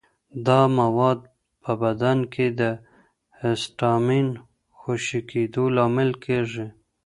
دا مواد په بدن کې د هسټامین خوشې کېدو لامل کېږي.